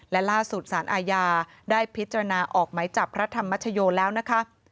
และล่าสุดสารอาญาได้พิจารณาออกไหมจับพระธรรมชโยแล้วนะคะ